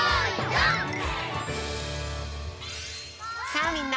さあみんな！